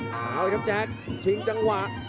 เอาเลยครับแจ๊คชิงจังหวะ